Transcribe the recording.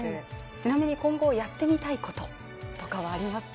ちなみに今後、やってみたいこととかはありますか？